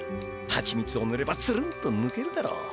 ハチミツをぬればツルンとぬけるだろう。